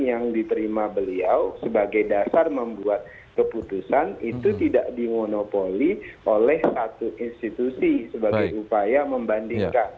yang diterima beliau sebagai dasar membuat keputusan itu tidak dimonopoli oleh satu institusi sebagai upaya membandingkan